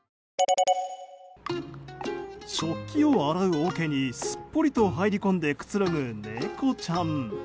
食器を洗うおけにすっぽりと入り込んでくつろぐ猫ちゃん。